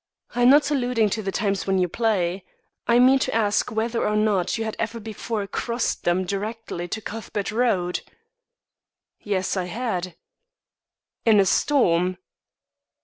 "I'm not alluding to the times when you play. I mean to ask whether or not you had ever before crossed them directly to Cuthbert Road?" "Yes, I had." "In a storm?"